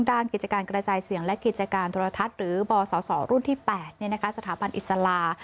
กิจการกระจายเสียงและกิจการโทรทัศน์หรือบสรุ่นที่๘สถาบันอิสลา